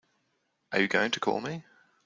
Are you going to call me?